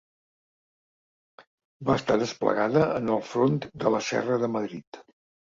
Va estar desplegada en el front de la Serra de Madrid.